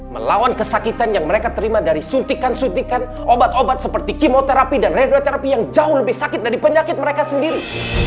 melawan kesakitan yang mereka terima dari suntikan suntikan obat obat seperti kemoterapi dan radioterapi yang jauh lebih sakit dari penyakit mereka sendiri